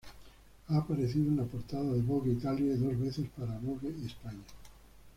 Ha aparecido en la portada de Vogue Italia y dos veces para Vogue España.